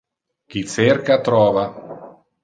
Qui cerca, trova.